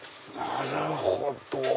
なるほど！